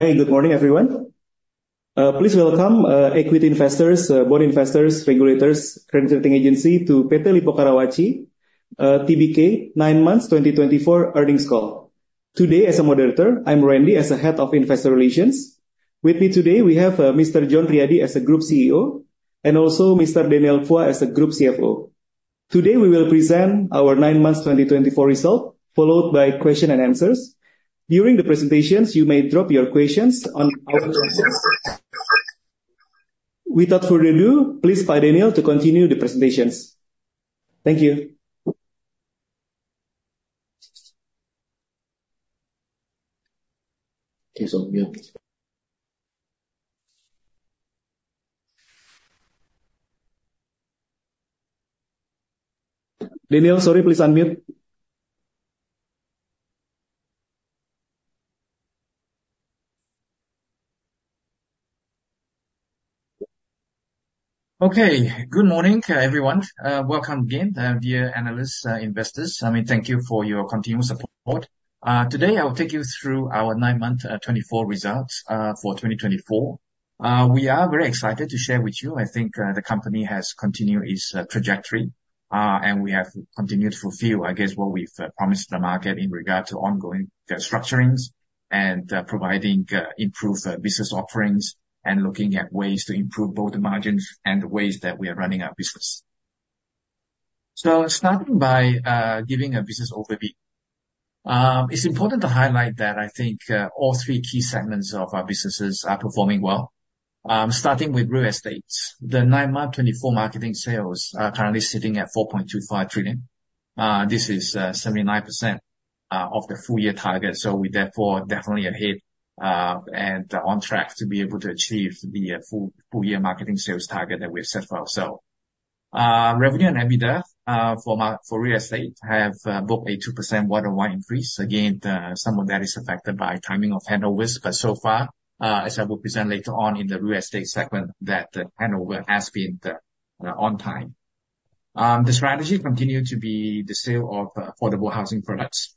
Good morning, everyone. Please welcome equity investors, bond investors, regulators, and credit rating agencies to PT Lippo Karawaci Tbk Nine Months 2024 Earnings Call. Today, as a moderator, I'm Randi as the Head of Investor Relations. With me today, we have Mr. John Riady as the Group CEO and also Mr. Daniel Phua as the Group CFO. Today, we will present our nine months 2024 result, followed by questions and answers. During the presentations, you may drop your questions on our. [inaudible] Without further ado, please invite Daniel to continue the presentations. Thank you. Daniel, sorry, please unmute. Okay, good morning, everyone. Welcome again, dear analysts and investors. I mean, thank you for your continued support. Today, I will take you through our nine months 2024 results for 2024. We are very excited to share with you. I think the company has continued its trajectory, and we have continued to fulfill, I guess, what we've promised the market in regard to ongoing restructurings and providing improved business offerings and looking at ways to improve both the margins and the ways that we are running our business. So starting by giving a business overview, it's important to highlight that I think all three key segments of our businesses are performing well. Starting with real estate, the nine months 2024 marketing sales are currently sitting at 4.25 trillion. This is 79% of the full-year target. We therefore are definitely ahead and on track to be able to achieve the full-year marketing sales target that we have set for ourselves. Revenue and EBITDA for real estate have booked a 2% year-on-year increase. Again, some of that is affected by timing of handovers. But so far, as I will present later on in the real estate segment, that the handover has been on time. The strategy continues to be the sale of affordable housing products.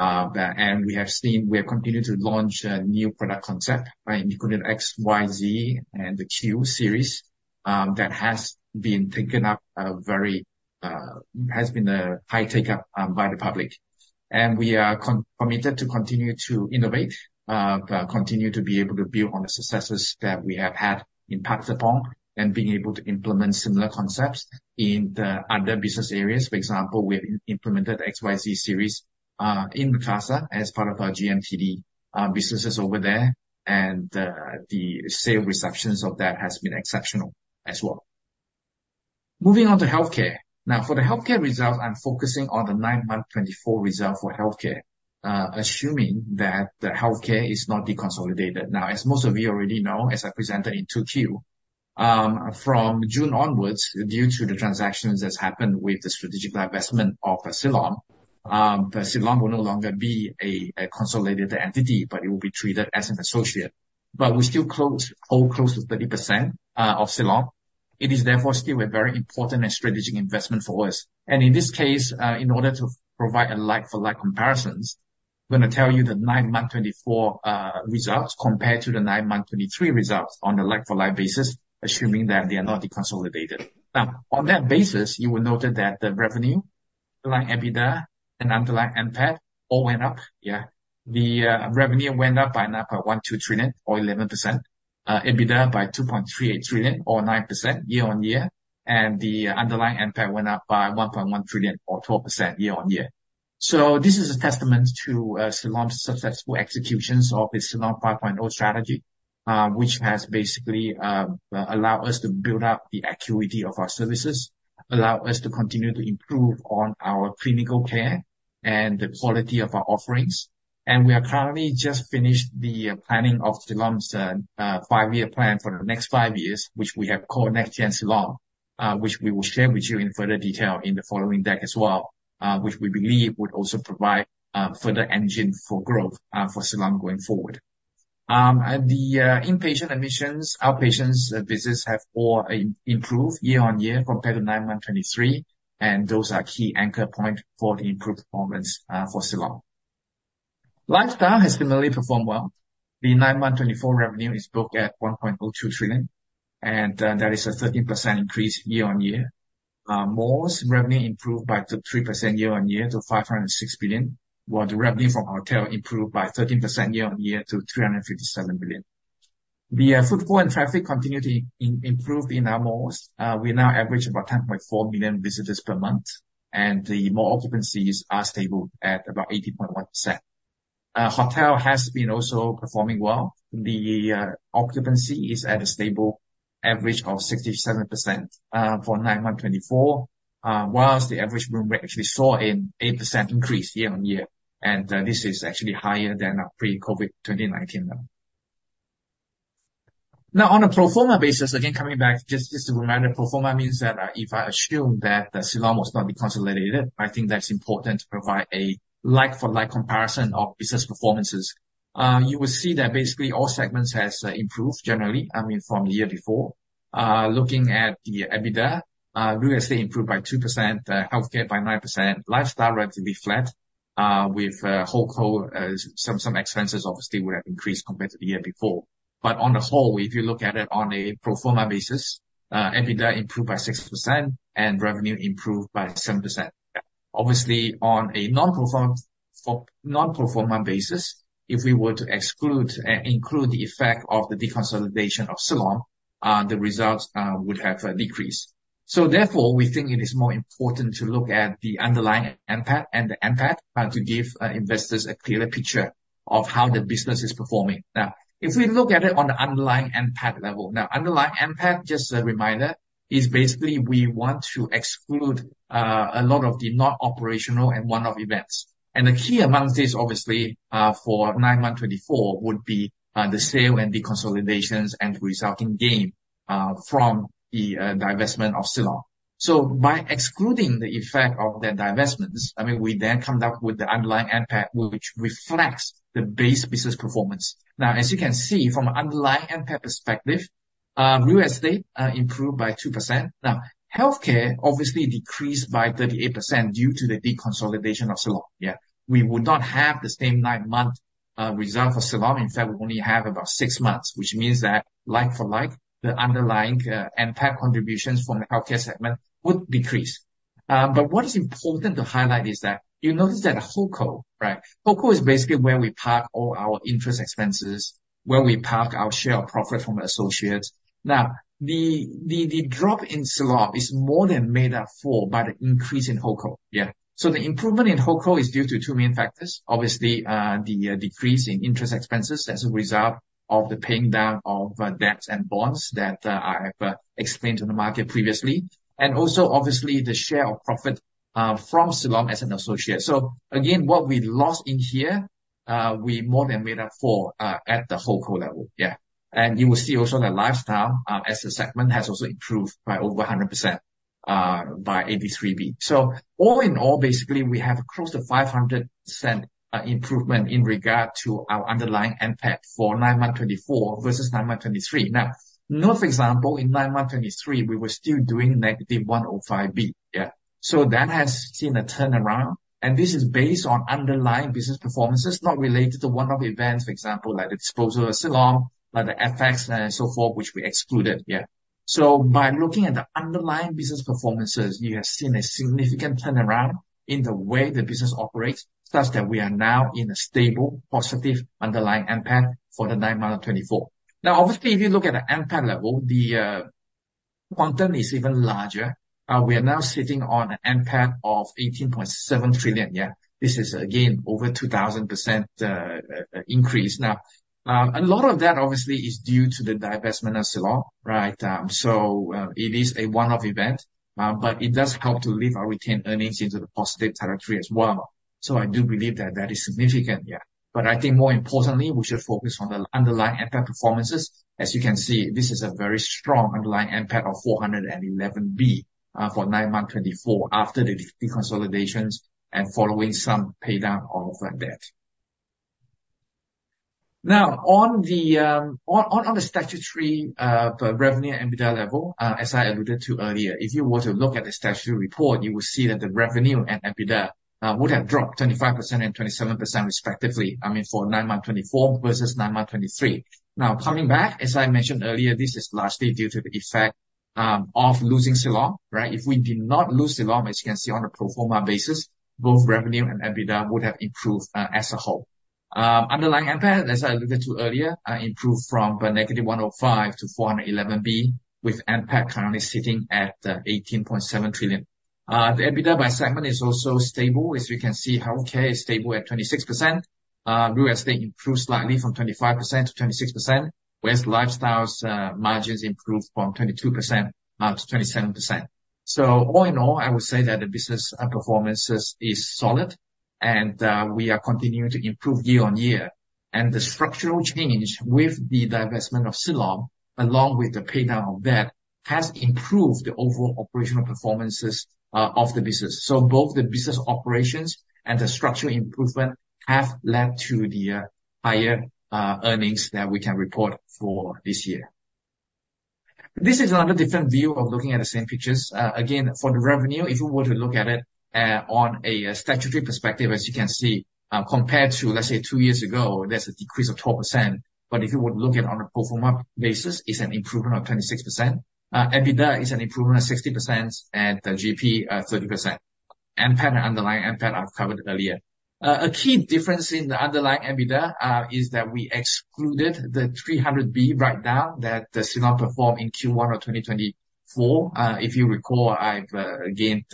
And we have seen we have continued to launch a new product concept, including the XYZ and the Q Series that has been taken up very well, has been a high take-up by the public. And we are committed to continue to innovate, continue to be able to build on the successes that we have had in Park Serpong and being able to implement similar concepts in the other business areas. For example, we have implemented the XYZ series in Makassar as part of our GMTD businesses over there, and the sales receptions of that have been exceptional as well. Moving on to healthcare. Now, for the healthcare results, I'm focusing on the nine months 2024 result for healthcare, assuming that the healthcare is not deconsolidated. Now, as most of you already know, as I presented in Tokyo, from June onwards, due to the transactions that have happened with the strategic divestment of Siloam, Siloam will no longer be a consolidated entity, but it will be treated as an associate. We still hold close to 30% of Siloam. It is therefore still a very important and strategic investment for us. In this case, in order to provide a like-for-like comparison, I'm going to tell you the nine months 2024 results compared to the nine months 2023 results on a like-for-like basis, assuming that they are not deconsolidated. Now, on that basis, you will notice that the revenue, underlying EBITDA, and underlying NPAT all went up. Yeah, the revenue went up by 9.12 trillion, or 11%. EBITDA by 2.38 trillion, or 9% year-on-year. The underlying NPAT went up by 1.1 trillion, or 12% year-on-year. This is a testament to Siloam's successful execution of its Siloam 5.0 strategy, which has basically allowed us to build up the acuity of our services, allowed us to continue to improve on our clinical care and the quality of our offerings. We have currently just finished the planning of Siloam's five-year plan for the next five years, which we have called Next Gen Siloam, which we will share with you in further detail in the following deck as well, which we believe would also provide further engine for growth for Siloam going forward. The inpatient admissions, outpatients, and visits have all improved year-on-year compared to nine months 2023. Those are key anchor points for the improved performance for Siloam. Lifestyle has similarly performed well. The nine months 2024 revenue is booked at 1.02 trillion, and that is a 13% increase year-on-year. Malls revenue improved by 3% year-on-year to 506 billion, while the revenue from hotels improved by 13% year-on-year to 357 billion. The footfall and traffic continue to improve in our malls. We now average about 10.4 million visitors per month, and the mall occupancies are stable at about 80.1%. Hotel has been also performing well. The occupancy is at a stable average of 67% for nine months 2024, while the average room rate actually saw an 8% increase year-on-year. This is actually higher than our pre-COVID 2019 level. Now, on a pro forma basis, again, coming back, just to remind you, pro forma means that if I assume that Siloam was not deconsolidated, I think that's important to provide a like-for-like comparison of business performances. You will see that basically all segments have improved generally, I mean, from the year before. Looking at the EBITDA, real estate improved by 2%, healthcare by 9%, lifestyle relatively flat, with Holdco, some expenses obviously would have increased compared to the year before. On the whole, if you look at it on a pro forma basis, EBITDA improved by 6% and revenue improved by 7%. Obviously, on a non-pro forma basis, if we were to exclude and include the effect of the deconsolidation of Siloam, the results would have decreased, so therefore, we think it is more important to look at the underlying NPAT and the NPAT to give investors a clearer picture of how the business is performing. Now, if we look at it on the underlying NPAT level, now, underlying NPAT, just a reminder, is basically we want to exclude a lot of the non-operational and one-off events, and the key amongst these, obviously, for nine months 2024 would be the sale and deconsolidations and resulting gain from the divestment of Siloam. So by excluding the effect of that divestment, I mean, we then come up with the underlying NPAT, which reflects the base business performance. Now, as you can see from an underlying NPAT perspective, real estate improved by 2%. Now, healthcare obviously decreased by 38% due to the deconsolidation of Siloam. Yeah, we would not have the same nine months result for Siloam. In fact, we only have about six months, which means that like-for-like, the underlying NPAT contributions from the healthcare segment would decrease. But what is important to highlight is that you notice that the Holdco, right? Holdco is basically where we park all our interest expenses, where we park our share of profit from associates. Now, the drop in Siloam is more than made up for by the increase in Holdco. Yeah, so the improvement in Holdco is due to two main factors. Obviously, the decrease in interest expenses as a result of the paying down of debts and bonds that I have explained to the market previously. And also, obviously, the share of profit from Siloam as an associate. So again, what we lost in here, we more than made up for at the Holdco level. Yeah, and you will see also that lifestyle as a segment has also improved by over 100% by 83 billion. So all in all, basically, we have close to 500% improvement in regard to our underlying NPAT for nine months 2024 versus nine months 2023. Now, note, for example, in nine months 2023, we were still doing -105 billion. Yeah, so that has seen a turnaround. And this is based on underlying business performances not related to one-off events, for example, like the disposal of Siloam, like the FX and so forth, which we excluded. Yeah, so by looking at the underlying business performances, you have seen a significant turnaround in the way the business operates, such that we are now in a stable, positive underlying NPAT for the nine months 2024. Now, obviously, if you look at the NPAT level, the quantum is even larger. We are now sitting on an NPAT of 18.7 trillion. Yeah, this is again over 2,000% increase. Now, a lot of that obviously is due to the divestment of Siloam, right? So it is a one-off event, but it does help to lift our retained earnings into the positive territory as well. So I do believe that that is significant. Yeah, but I think more importantly, we should focus on the underlying NPAT performances. As you can see, this is a very strong underlying NPAT of 411 billion for nine months 2024 after the deconsolidations and following some paydown of debt. Now, on the statutory revenue and EBITDA level, as I alluded to earlier, if you were to look at the statutory report, you will see that the revenue and EBITDA would have dropped 25% and 27% respectively, I mean, for nine months 2024 versus nine months 2023. Now, coming back, as I mentioned earlier, this is largely due to the effect of losing Siloam, right? If we did not lose Siloam, as you can see on a pro forma basis, both revenue and EBITDA would have improved as a whole. Underlying NPAT, as I alluded to earlier, improved from -105 billion to 411 billion, with NPAT currently sitting at 18.7 trillion. The EBITDA by segment is also stable. As you can see, healthcare is stable at 26%. Real estate improved slightly from 25% to 26%, whereas lifestyle margins improved from 22% to 27%. All in all, I would say that the business performance is solid, and we are continuing to improve year-on-year. The structural change with the divestment of Siloam, along with the paydown of debt, has improved the overall operational performance of the business. Both the business operations and the structural improvement have led to the higher earnings that we can report for this year. This is another different view of looking at the same pictures. Again, for the revenue, if you were to look at it on a statutory perspective, as you can see, compared to, let's say, two years ago, there's a decrease of 12%. But if you would look at it on a pro forma basis, it's an improvement of 26%. EBITDA is an improvement of 60% and the GP 30%. NPAT and underlying NPAT I've covered earlier. A key difference in the underlying EBITDA is that we excluded the 300 billion write-down that Siloam performed in Q1 of 2024. If you recall, I've again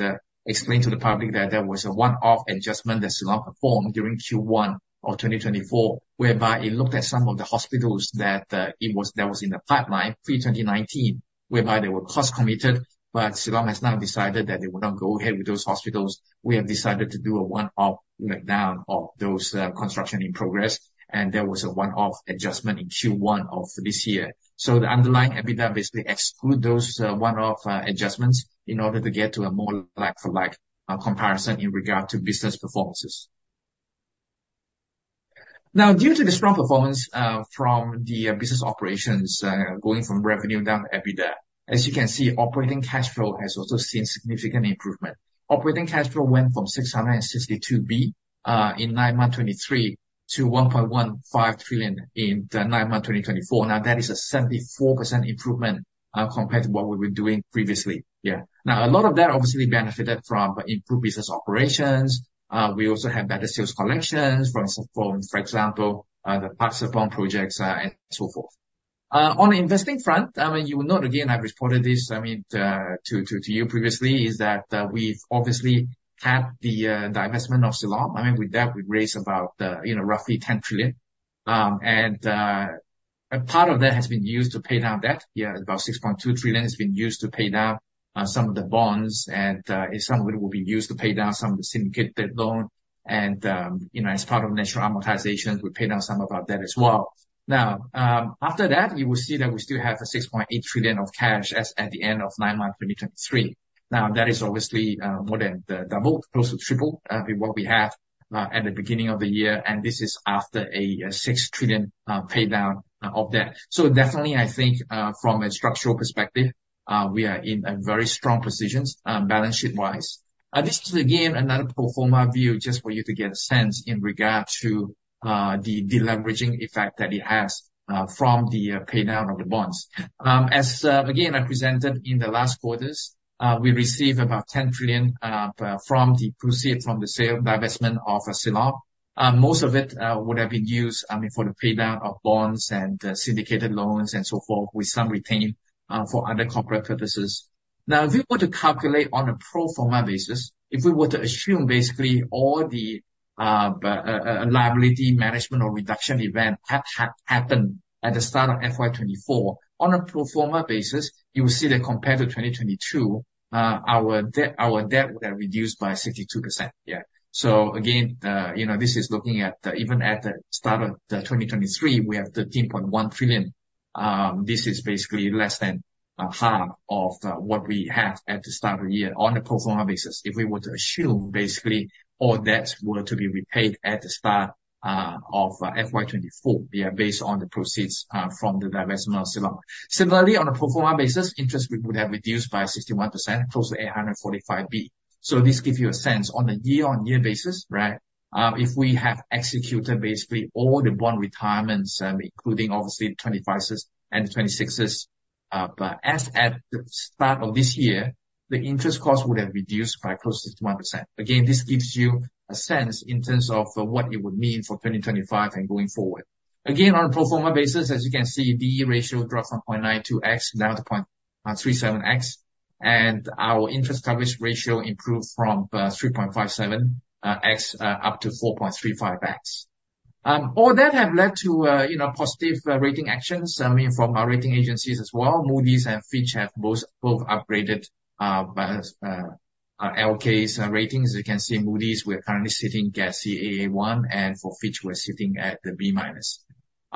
explained to the public that there was a one-off adjustment that Siloam performed during Q1 of 2024, whereby it looked at some of the hospitals that was in the pipeline pre-2019, whereby they were cost committed. But Siloam has now decided that they will not go ahead with those hospitals. We have decided to do a one-off write-down of those construction in progress. And there was a one-off adjustment in Q1 of this year. The underlying EBITDA basically excludes those one-off adjustments in order to get to a more like-for-like comparison in regard to business performances. Now, due to the strong performance from the business operations going from revenue down to EBITDA, as you can see, operating cash flow has also seen significant improvement. Operating cash flow went from 662 billion in nine months 2023 to 1.15 trillion in nine months 2024. Now, that is a 74% improvement compared to what we were doing previously. Yeah, now, a lot of that obviously benefited from improved business operations. We also have better sales collections from, for example, the Park Serpong projects and so forth. On the investing front, I mean, you will note again, I've reported this, I mean, to you previously, is that we've obviously had the divestment of Siloam. I mean, with that, we raised about, you know, roughly 10 trillion, and part of that has been used to pay down debt. Yeah, about 6.2 trillion has been used to pay down some of the bonds, and some of it will be used to pay down some of the syndicated debt loan. And, you know, as part of national amortizations, we pay down some of our debt as well. Now, after that, you will see that we still have 6.8 trillion of cash at the end of nine months 2023. Now, that is obviously more than double, close to triple what we have at the beginning of the year. And this is after a 6 trillion paydown of debt. So definitely, I think from a structural perspective, we are in a very strong position balance sheet-wise. This is again another pro forma view just for you to get a sense in regard to the deleveraging effect that it has from the paydown of the bonds. As again I presented in the last quarters, we received about 10 trillion from the proceeds from the sale divestment of Siloam. Most of it would have been used, I mean, for the paydown of bonds and syndicated loans and so forth, with some retained for other corporate purposes. Now, if you were to calculate on a pro forma basis, if we were to assume basically all the liability management or reduction events that had happened at the start of FY 2024, on a pro forma basis, you will see that compared to 2022, our debt would have reduced by 62%. Yeah, so again, you know, this is looking at even at the start of 2023, we have 13.1 trillion. This is basically less than half of what we have at the start of the year on a pro forma basis. If we were to assume basically all debts were to be repaid at the start of FY 2024, yeah, based on the proceeds from the divestment of Siloam. Similarly, on a pro forma basis, interest would have reduced by 61%, close to 845 billion. So this gives you a sense on the year-on-year basis, right? If we have executed basically all the bond retirements, including obviously the 25s and the 26s, as at the start of this year, the interest cost would have reduced by close to 61%. Again, this gives you a sense in terms of what it would mean for 2025 and going forward. Again, on a pro forma basis, as you can see, D/E ratio dropped from 0.92x down to 0.37x, and our interest coverage ratio improved from 3.57x up to 4.35x. All that has led to, you know, positive rating actions, I mean, from our rating agencies as well. Moody's and Fitch have both upgraded LK's ratings. As you can see, Moody's, we're currently sitting at Caa1, and for Fitch, we're sitting at the B-,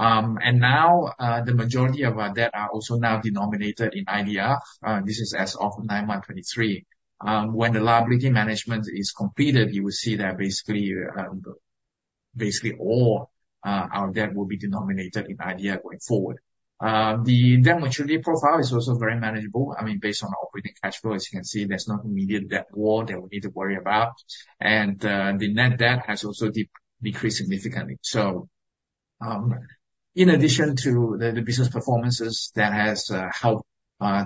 and now the majority of our debt are also now denominated in IDR. This is as of nine months 2023. When the liability management is completed, you will see that basically all our debt will be denominated in IDR going forward. The debt maturity profile is also very manageable. I mean, based on our operating cash flow, as you can see, there's no immediate debt wall that we need to worry about, and the net debt has also decreased significantly. In addition to the business performances that have helped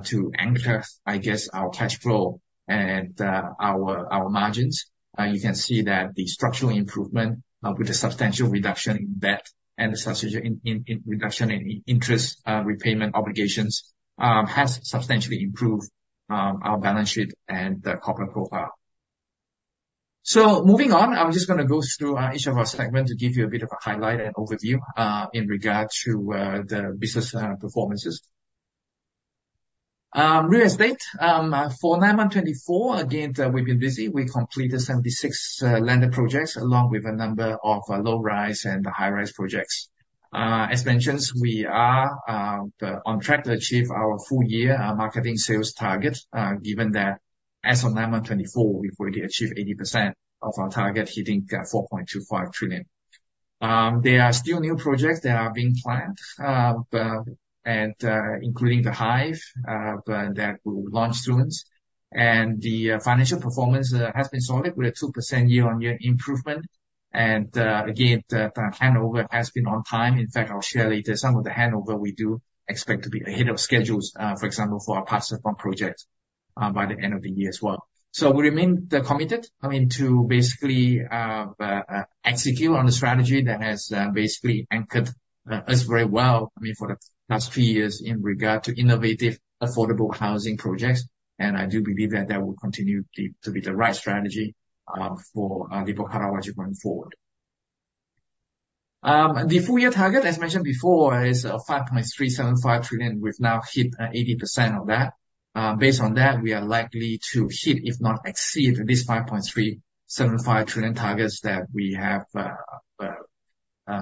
to anchor, I guess, our cash flow and our margins, you can see that the structural improvement with the substantial reduction in debt and the substantial reduction in interest repayment obligations has substantially improved our balance sheet and the corporate profile. Moving on, I'm just going to go through each of our segments to give you a bit of a highlight and overview in regard to the business performances. Real estate for nine months 2024, again, we've been busy. We completed 76 landed projects along with a number of low-rise and high-rise projects. As mentioned, we are on track to achieve our full year marketing sales target, given that as of nine months 2024, we've already achieved 80% of our target, hitting 4.25 trillion. There are still new projects that are being planned, including The Hive, that will launch soon, and the financial performance has been solid with a 2% year-on-year improvement, and again, the handover has been on time. In fact, I'll share later some of the handover we do expect to be ahead of schedule, for example, for our Park Serpong project by the end of the year as well. So we remain committed, I mean, to basically execute on the strategy that has basically anchored us very well, I mean, for the past few years in regard to innovative affordable housing projects, and I do believe that that will continue to be the right strategy for Lippo Karawaci going forward. The full year target, as mentioned before, is 5.375 trillion. We've now hit 80% of that. Based on that, we are likely to hit, if not exceed, these 5.375 trillion targets that we have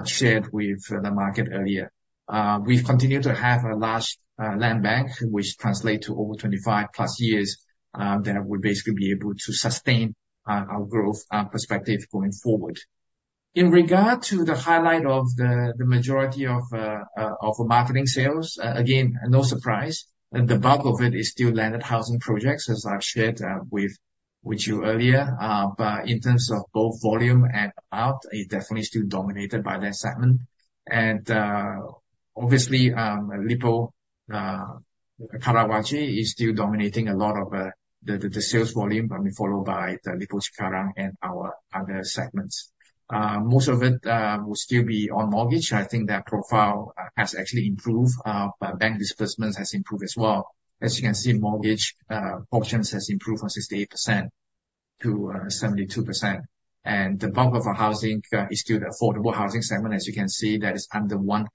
shared with the market earlier. We've continued to have a large land bank, which translates to over 25+ years that we'll basically be able to sustain our growth perspective going forward. In regard to the highlight of the majority of marketing sales, again, no surprise, the bulk of it is still landed housing projects, as I've shared with you earlier, but in terms of both volume and amount, it definitely is still dominated by that segment, and obviously, Lippo Karawaci is still dominating a lot of the sales volume, I mean, followed by the Lippo Cikarang and our other segments. Most of it will still be on mortgage. I think that profile has actually improved. Bank disbursements have improved as well. As you can see, mortgage portions have improved from 68% to 72%. The bulk of our housing is still the affordable housing segment, as you can see, that is under 1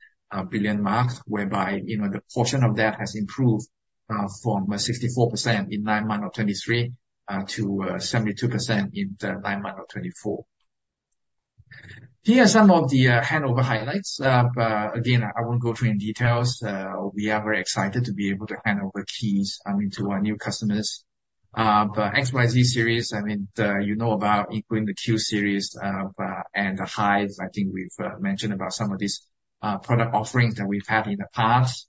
billion mark, whereby, you know, the portion of that has improved from 64% in nine months of 2023 to 72% in the nine months of 2024. Here are some of the handover highlights. Again, I won't go through in details. We are very excited to be able to hand over keys to our new customers. But XYZ series, I mean, you know about, including the Q series and The Hive. I think we've mentioned about some of these product offerings that we've had in the past.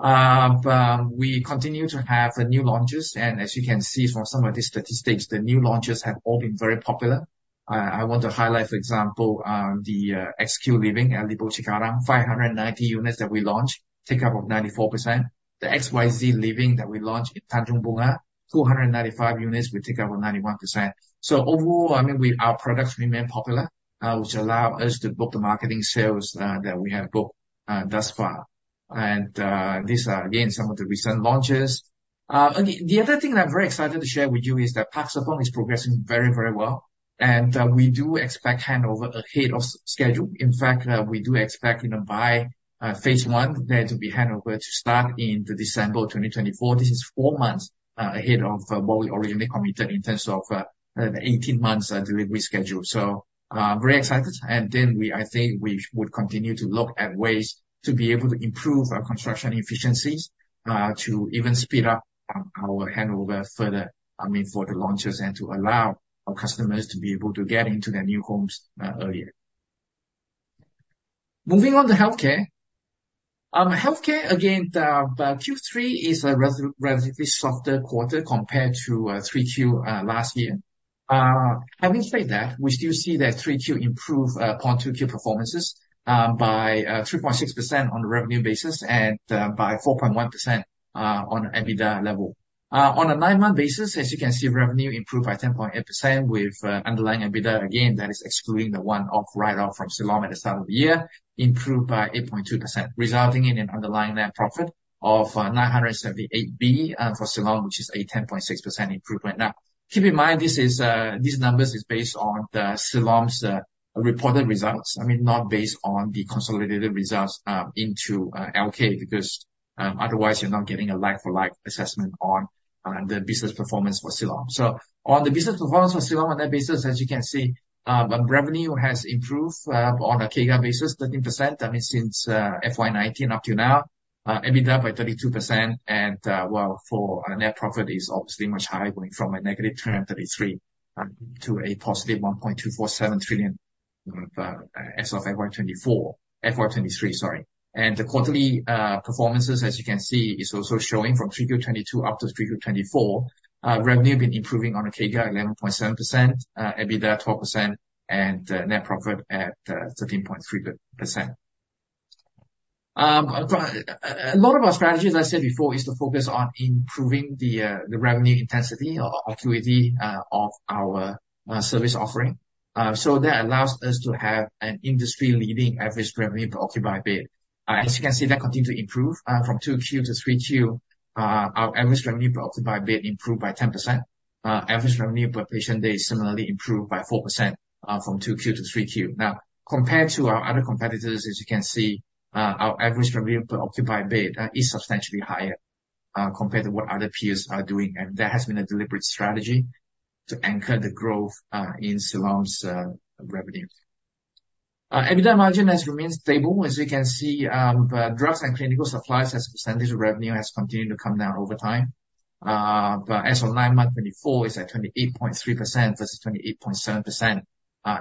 We continue to have the new launches. As you can see from some of these statistics, the new launches have all been very popular. I want to highlight, for example, the XYZ Livin at Lippo Cikarang, 590 units that we launched, take up of 94%. The XYZ Livin that we launched in Tanjung Bunga, 295 units with take up of 91%. So overall, I mean, our products remain popular, which allows us to book the marketing sales that we have booked thus far. And these are, again, some of the recent launches. The other thing I'm very excited to share with you is that Park Serpong is progressing very, very well. And we do expect handover ahead of schedule. In fact, we do expect, you know, by phase one, there to be handover to start in December 2024. This is four months ahead of what we originally committed in terms of the 18 months reschedule. So very excited. And then we, I think we would continue to look at ways to be able to improve our construction efficiencies to even speed up our handover further, I mean, for the launches and to allow our customers to be able to get into their new homes earlier. Moving on to healthcare. Healthcare, again, Q3 is a relatively softer quarter compared to 3Q last year. Having said that, we still see that 3Q improved over 2Q performances by 3.6% on the revenue basis and by 4.1% on the EBITDA level. On a nine-month basis, as you can see, revenue improved by 10.8% with underlying EBITDA, again, that is excluding the one-off write-off from Siloam at the start of the year, improved by 8.2%, resulting in an underlying net profit of 978 billion for Siloam, which is a 10.6% improvement. Now, keep in mind, these numbers are based on Siloam's reported results, I mean, not based on the consolidated results into LK, because otherwise you're not getting a like-for-like assessment on the business performance for Siloam. So on the business performance for Siloam on that basis, as you can see, revenue has improved on a CAGR basis, 13%, I mean, since FY 2019 up to now, EBITDA by 32%. For net profit is obviously much higher going from a -333 billion to a +1.247 trillion as of FY 2023. The quarterly performances, as you can see, is also showing from 3Q 2022 up to 3Q 2024, revenue been improving on a CAGR 11.7%, EBITDA 12%, and net profit at 13.3%. A lot of our strategies, as I said before, is to focus on improving the revenue intensity or acuity of our service offering. So that allows us to have an industry-leading average revenue per occupied bed. As you can see, that continues to improve from 2Q to 3Q. Our average revenue per occupied bed improved by 10%. Average revenue per patient day similarly improved by 4% from 2Q to 3Q. Now, compared to our other competitors, as you can see, our average revenue per occupied bed is substantially higher compared to what other peers are doing. And that has been a deliberate strategy to anchor the growth in Siloam's revenue. EBITDA margin has remained stable. As you can see, drugs and clinical supplies as a percentage of revenue has continued to come down over time. But as of nine months 2024, it's at 28.3% versus 28.7%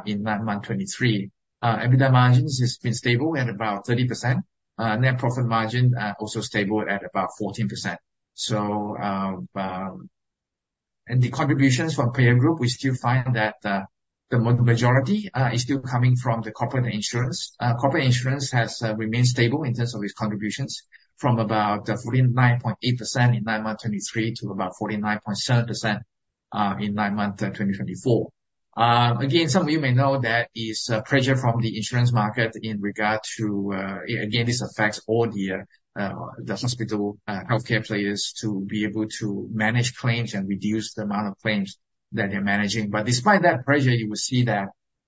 in nine months 2023. EBITDA margin has been stable at about 30%. Net profit margin also stable at about 14%. And the contributions from the payer group, we still find that the majority is still coming from the corporate insurance. Corporate insurance has remained stable in terms of its contributions from about 49.8% in nine months 2023 to about 49.7% in nine months 2024. Again, some of you may know there is pressure from the insurance market in regard to, again, this affects all the hospital healthcare players to be able to manage claims and reduce the amount of claims that they're managing. But despite that pressure, you will see that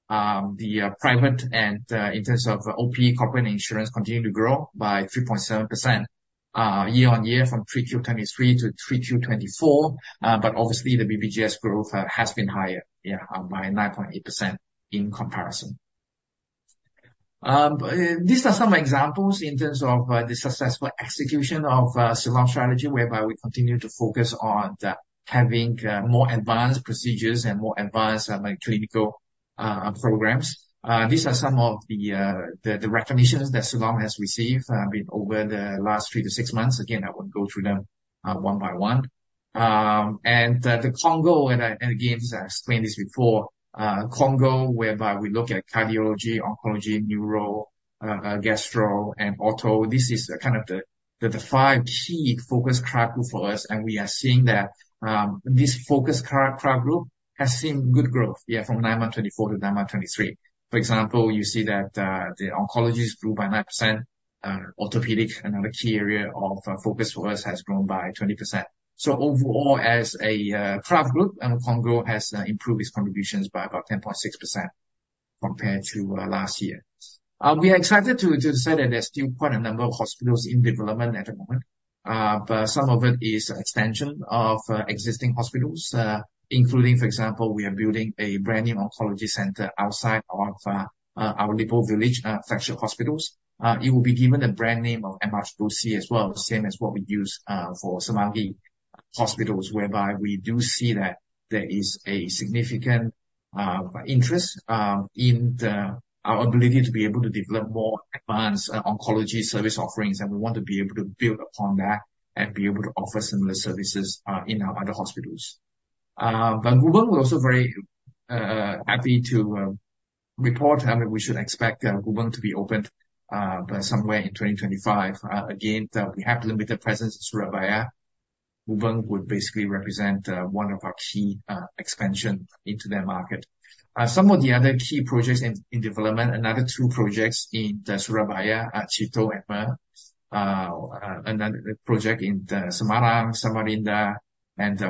the private and in terms of OP, corporate insurance continued to grow by 3.7% year-on-year from 3Q 2023 to 3Q 2024. But obviously, the BPJS growth has been higher, yeah, by 9.8% in comparison. These are some examples in terms of the successful execution of Siloam strategy, whereby we continue to focus on having more advanced procedures and more advanced clinical programs. These are some of the recognitions that Siloam has received over the last three to six months. Again, I won't go through them one by one. The CONGO, and again, as I explained this before, CONGO, whereby we look at cardiology, oncology, neuro, gastro, and ortho. This is kind of the five key focus core group for us. We are seeing that this focus core group has seen good growth, yeah, from nine months 2023 to nine months 2024. For example, you see that the oncology has grew by 9%. Orthopedics, another key area of focus for us, has grown by 20%. So overall, as a core group, CONGO has improved its contributions by about 10.6% compared to last year. We are excited to say that there's still quite a number of hospitals in development at the moment, but some of it is extension of existing hospitals, including, for example, we are building a brand new oncology center outside of our Lippo Village, Siloam Hospitals. It will be given the brand name of MRCCC as well, same as what we use for Semanggi Hospitals, whereby we do see that there is a significant interest in our ability to be able to develop more advanced oncology service offerings, and we want to be able to build upon that and be able to offer similar services in our other hospitals. But Gubeng was also very happy to report, I mean, we should expect Gubeng to be opened somewhere in 2025. Again, we have limited presence in Surabaya. Gubeng would basically represent one of our key expansions into their market. Some of the other key projects in development, another two projects in Surabaya, Cito and MERR, another project in Semarang, Samarinda.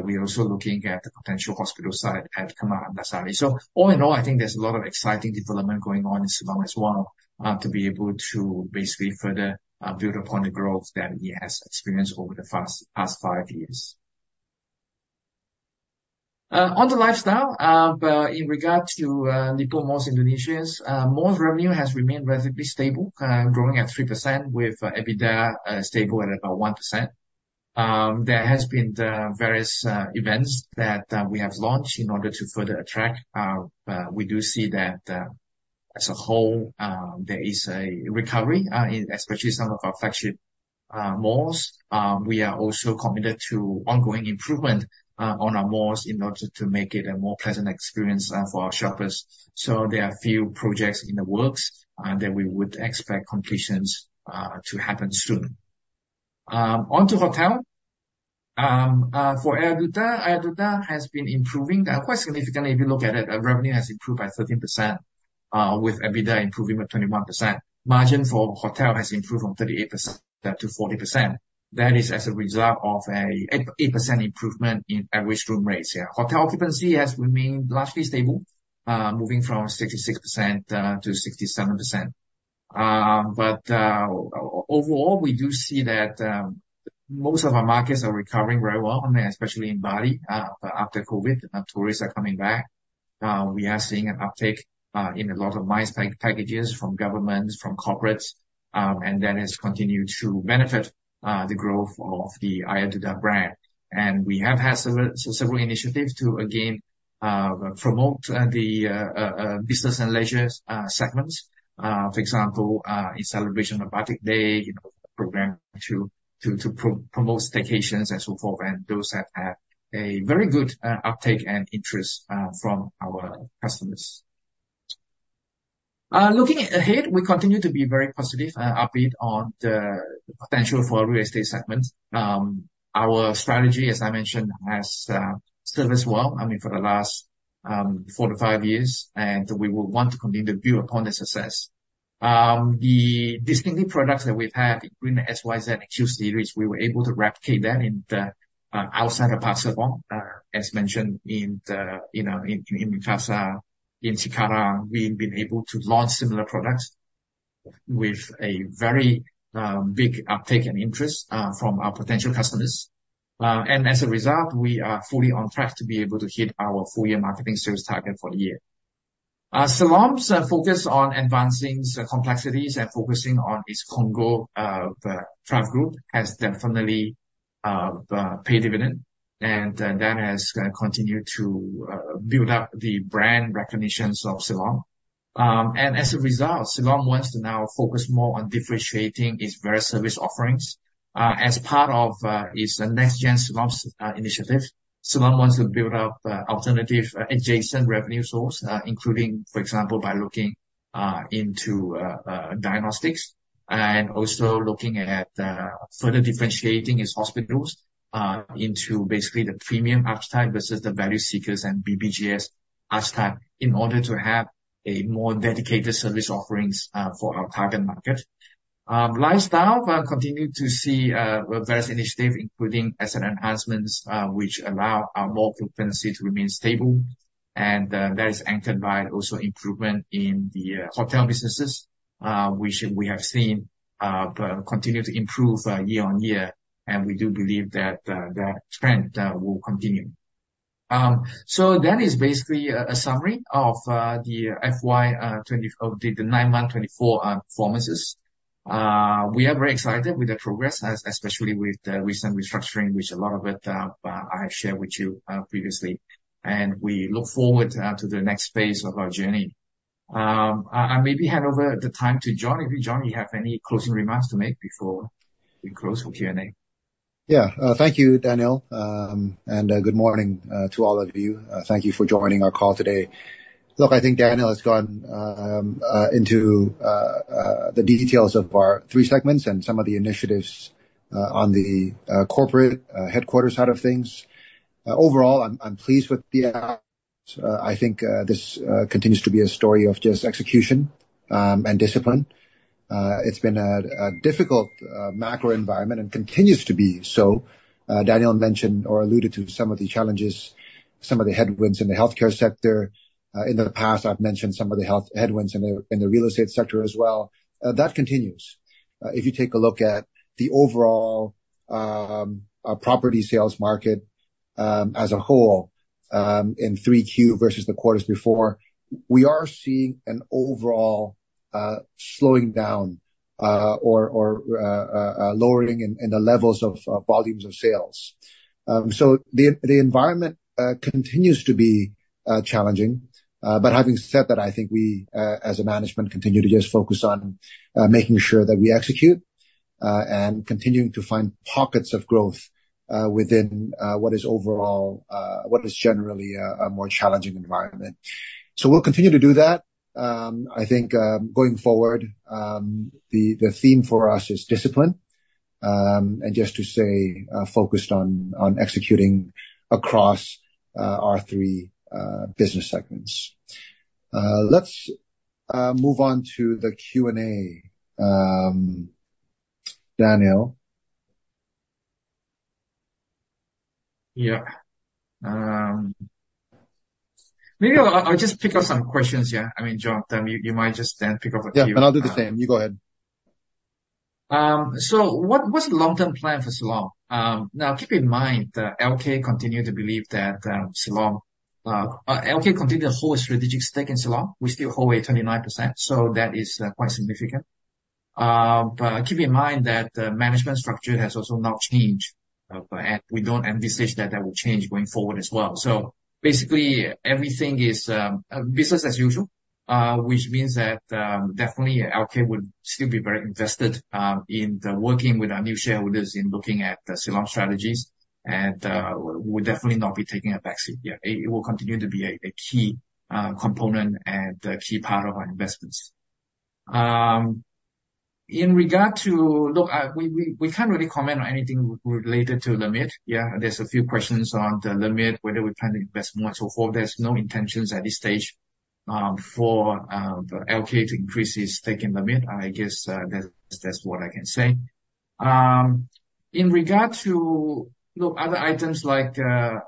We are also looking at the potential hospital site at Kemang Antasari. All in all, I think there's a lot of exciting development going on in Siloam as well to be able to basically further build upon the growth that it has experienced over the past five years. On the lifestyle, but in regard to Lippo Malls Indonesia, malls' revenue has remained relatively stable, growing at 3% with EBITDA stable at about 1%. There have been various events that we have launched in order to further attract. We do see that as a whole, there is a recovery, especially some of our flagship malls. We are also committed to ongoing improvement on our malls in order to make it a more pleasant experience for our shoppers. There are a few projects in the works that we would expect completions to happen soon. On to hotel. For Aryaduta, Aryaduta has been improving quite significantly. If you look at it, revenue has improved by 13% with EBITDA improving by 21%. Margin for hotel has improved from 38% to 40%. That is as a result of an 8% improvement in average room rates. Yeah, hotel occupancy has remained largely stable, moving from 66% to 67%. Overall, we do see that most of our markets are recovering very well, especially in Bali. After COVID, tourists are coming back. We are seeing an uptake in a lot of MICE packages from government, from corporates. That has continued to benefit the growth of the Aryaduta brand. We have had several initiatives to, again, promote the business and leisure segments. For example, in celebration of Batik Day, you know, program to promote staycations and so forth. And those have had a very good uptake and interest from our customers. Looking ahead, we continue to be very positive, upbeat on the potential for real estate segments. Our strategy, as I mentioned, has served us well, I mean, for the last four to five years. And we will want to continue to build upon the success. The distinct products that we've had in [Green] XYZ and Q Series, we were able to replicate that in the outside of Park Serpong, as mentioned in the, you know, in Makassar, in Cikarang. We've been able to launch similar products with a very big uptake and interest from our potential customers. And as a result, we are fully on track to be able to hit our four-year marketing service target for the year. Siloam's focus on advancing the complexities and focusing on its CONGO has definitely paid dividend, and that has continued to build up the brand recognition of Siloam, and as a result, Siloam wants to now focus more on differentiating its various service offerings. As part of its Next Gen Siloam initiative, Siloam wants to build up alternative adjacent revenue sources, including, for example, by looking into diagnostics and also looking at further differentiating its hospitals into basically the premium archetype versus the value seekers and BPJS archetype in order to have a more dedicated service offerings for our target market. Lifestyle, we continue to see various initiatives, including asset enhancements, which allow our mall frequency to remain stable, and that is anchored by also improvement in the hotel businesses, which we have seen continue to improve year-on-year, and we do believe that that trend will continue. That is basically a summary of the FY 2024 performances. We are very excited with the progress, especially with the recent restructuring, which a lot of it I have shared with you previously. We look forward to the next phase of our journey. I maybe hand over the time to John. John, if you have any closing remarks to make before we close for Q&A? Yeah, thank you, Daniel. Good morning to all of you. Thank you for joining our call today. Look, I think Daniel has gone into the details of our three segments and some of the initiatives on the corporate headquarters side of things. Overall, I'm pleased with the outcomes. I think this continues to be a story of just execution and discipline. It's been a difficult macro environment and continues to be so. Daniel mentioned or alluded to some of the challenges, some of the headwinds in the healthcare sector. In the past, I've mentioned some of the headwinds in the real estate sector as well. That continues. If you take a look at the overall property sales market as a whole in 3Q versus the quarters before, we are seeing an overall slowing down or lowering in the levels of volumes of sales. So the environment continues to be challenging. But having said that, I think we, as a management, continue to just focus on making sure that we execute and continue to find pockets of growth within what is overall, what is generally a more challenging environment. So we'll continue to do that. I think going forward, the theme for us is discipline and just to stay focused on executing across our three business segments. Let's move on to the Q&A, Daniel. Yeah. Maybe I'll just pick up some questions, yeah. I mean, John, you might just then pick up a few. Yeah, and I'll do the same. You go ahead. So what's the long-term plan for Siloam? Now, keep in mind, LK continues to believe that Siloam. LK continues to hold a strategic stake in Siloam. We still hold a 29%. So that is quite significant. But keep in mind that the management structure has also now changed. And we don't anticipate that that will change going forward as well. So basically, everything is business as usual, which means that definitely LK would still be very invested in working with our new shareholders in looking at Siloam strategies. And we'll definitely not be taking a backseat. Yeah, it will continue to be a key component and a key part of our investments. In regard to, look, we can't really comment on anything related to LMIRT. Yeah, there's a few questions on the LMIRT, whether we plan to invest more and so forth. There's no intentions at this stage for LK to increase its stake in LMIRT. I guess that's what I can say. In regard to, look, other items like LC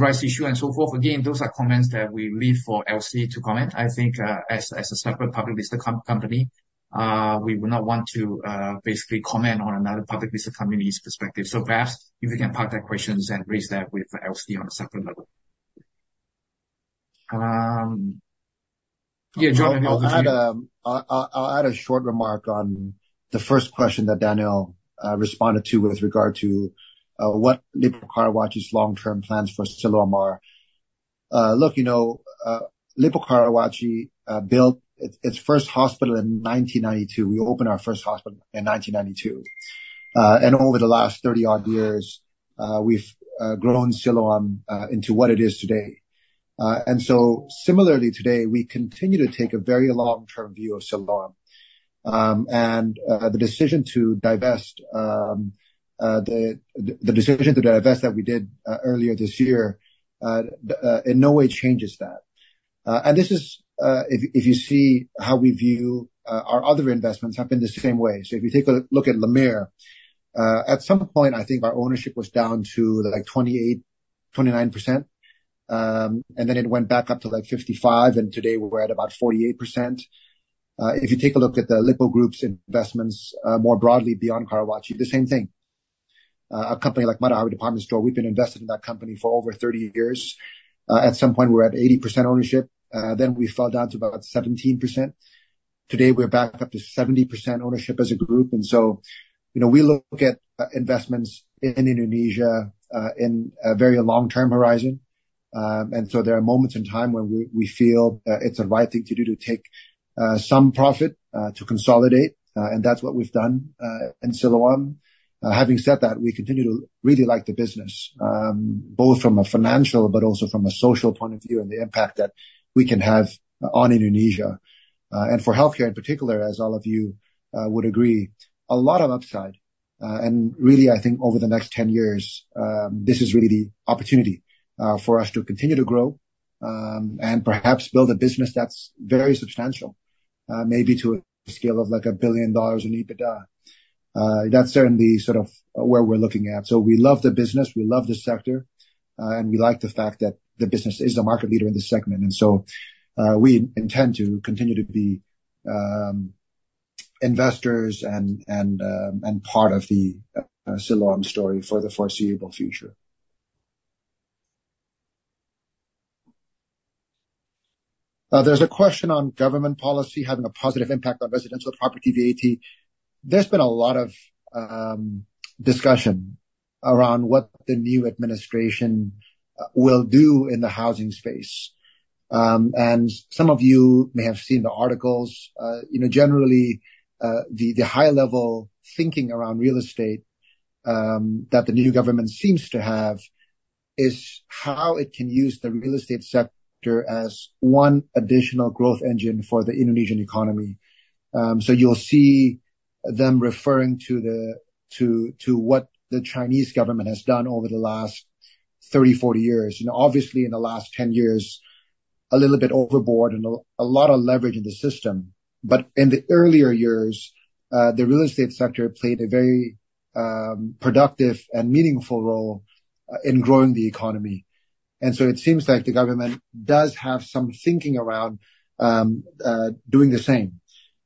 rights issue and so forth, again, those are comments that we leave for LC to comment. I think as a separate public listed company, we would not want to basically comment on another public listed company's perspective. So perhaps if you can park that question and raise that with LC on a separate level. Yeah, John, if you want to. I'll add a short remark on the first question that Daniel responded to with regard to what Lippo Karawaci's long-term plans for Siloam are. Look, you know, Lippo Karawaci built its first hospital in 1992. We opened our first hospital in 1992. And over the last 30-odd years, we've grown Siloam into what it is today. And so similarly today, we continue to take a very long-term view of Siloam. And the decision to divest, the decision to divest that we did earlier this year, in no way changes that. And this is, if you see how we view our other investments, have been the same way. So if you take a look at LMIRT, at some point, I think our ownership was down to like 28%-29%. And then it went back up to like 55%. And today we're at about 48%. If you take a look at the Lippo Group's investments more broadly beyond Karawaci, the same thing. A company like Matahari Department Store, we've been invested in that company for over 30 years. At some point, we were at 80% ownership, then we fell down to about 17%. Today, we're back up to 70% ownership as a group, and so, you know, we look at investments in Indonesia in a very long-term horizon, and so there are moments in time when we feel it's the right thing to do to take some profit to consolidate, and that's what we've done in Siloam. Having said that, we continue to really like the business, both from a financial but also from a social point of view and the impact that we can have on Indonesia, and for healthcare in particular, as all of you would agree, a lot of upside. Really, I think over the next 10 years, this is really the opportunity for us to continue to grow and perhaps build a business that's very substantial, maybe to a scale of like IDR 1 billion in EBITDA. That's certainly sort of where we're looking at. So we love the business. We love the sector. And we like the fact that the business is a market leader in the segment. And so we intend to continue to be investors and part of the Siloam story for the foreseeable future. There's a question on government policy having a positive impact on residential property VAT. There's been a lot of discussion around what the new administration will do in the housing space. And some of you may have seen the articles. You know, generally, the high-level thinking around real estate that the new government seems to have is how it can use the real estate sector as one additional growth engine for the Indonesian economy. So you'll see them referring to what the Chinese government has done over the last 30, 40 years. And obviously, in the last 10 years, a little bit overboard and a lot of leverage in the system. But in the earlier years, the real estate sector played a very productive and meaningful role in growing the economy. And so it seems like the government does have some thinking around doing the same.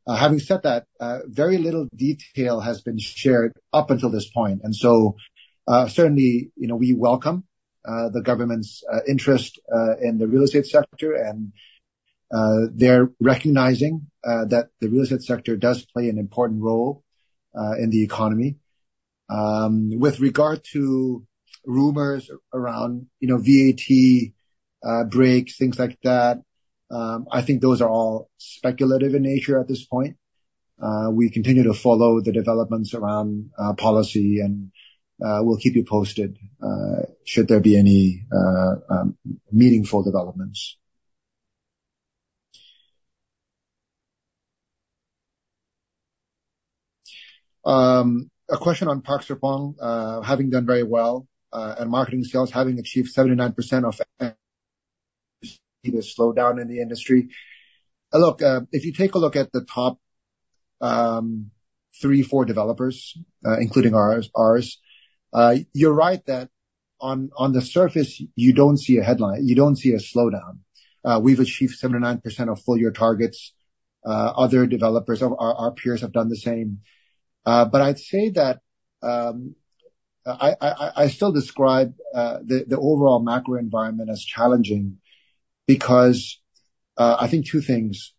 Having said that, very little detail has been shared up until this point. And so certainly, you know, we welcome the government's interest in the real estate sector. And they're recognizing that the real estate sector does play an important role in the economy. With regard to rumors around, you know, VAT breaks, things like that, I think those are all speculative in nature at this point. We continue to follow the developments around policy, and we'll keep you posted should there be any meaningful developments. A question on Park Serpong, having done very well and marketing sales, having achieved 79% despite the slowdown in the industry. Look, if you take a look at the top three, four developers, including ours, you're right that on the surface, you don't see a headline. You don't see a slowdown. We've achieved 79% of full-year targets. Other developers, our peers have done the same. But I'd say that I still describe the overall macro environment as challenging because I think two things.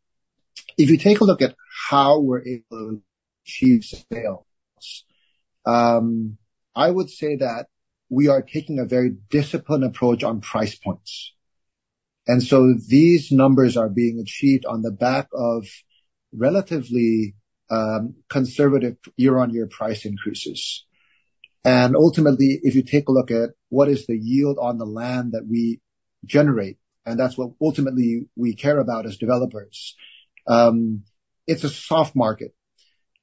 If you take a look at how we're able to achieve sales, I would say that we are taking a very disciplined approach on price points. So these numbers are being achieved on the back of relatively conservative year-on-year price increases. Ultimately, if you take a look at what is the yield on the land that we generate, and that's what ultimately we care about as developers, it's a soft market.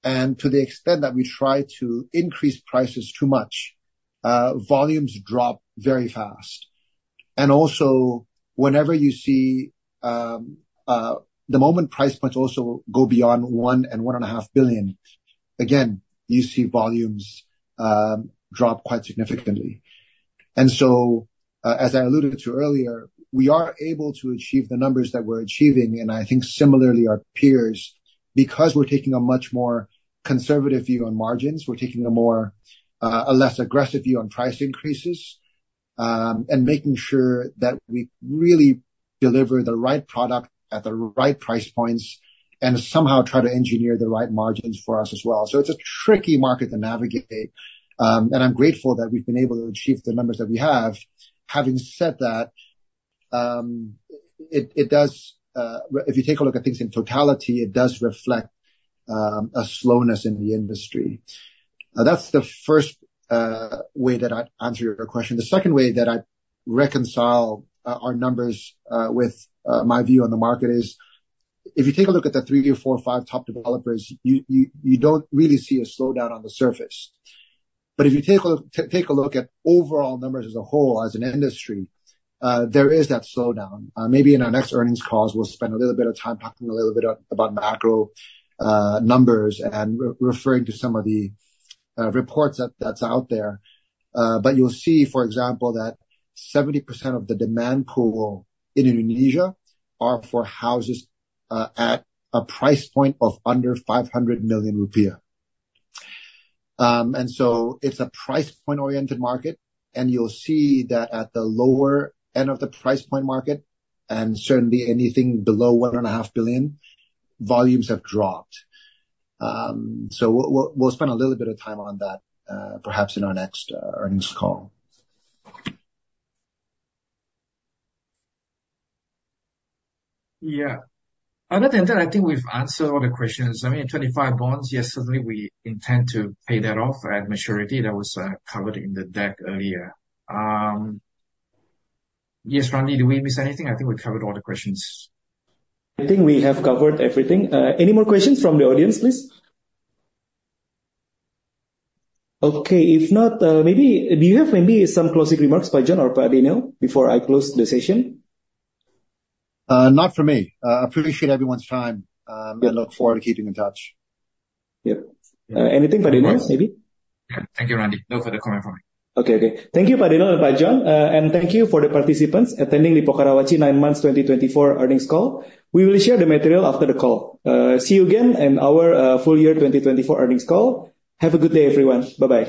To the extent that we try to increase prices too much, volumes drop very fast. Also, whenever you see the moment price points also go beyond 1 billion and 1.5 billion, again, you see volumes drop quite significantly. As I alluded to earlier, we are able to achieve the numbers that we're achieving. I think similarly, our peers, because we're taking a much more conservative view on margins, we're taking a less aggressive view on price increases and making sure that we really deliver the right product at the right price points and somehow try to engineer the right margins for us as well. So it's a tricky market to navigate. And I'm grateful that we've been able to achieve the numbers that we have. Having said that, it does, if you take a look at things in totality, it does reflect a slowness in the industry. That's the first way that I'd answer your question. The second way that I reconcile our numbers with my view on the market is if you take a look at the three or four or five top developers, you don't really see a slowdown on the surface. But if you take a look at overall numbers as a whole as an industry, there is that slowdown. Maybe in our next earnings calls, we'll spend a little bit of time talking a little bit about macro numbers and referring to some of the reports that's out there. But you'll see, for example, that 70% of the demand pool in Indonesia are for houses at a price point of under 500 million rupiah. And so it's a price point-oriented market. And you'll see that at the lower end of the price point market, and certainly anything below 1.5 billion, volumes have dropped. So we'll spend a little bit of time on that, perhaps in our next earnings call. Yeah. Other than that, I think we've answered all the questions. I mean, 25 bonds, yes, certainly we intend to pay that off at maturity. That was covered in the deck earlier. Yes, Randi, did we miss anything? I think we covered all the questions. I think we have covered everything. Any more questions from the audience, please? Okay. If not, maybe do you have some closing remarks by John or by Daniel before I close the session? Not for me. Appreciate everyone's time and look forward to keeping in touch. Yep. Anything by Daniel, maybe? Thank you, Randi. No further comment from me. Okay, okay. Thank you to Daniel and John. And thank you to the participants attending Lippo Karawaci Nine Months 2024 Earnings Call. We will share the material after the call. See you again in our Full Year 2024 Earnings Call. Have a good day, everyone. Bye-bye.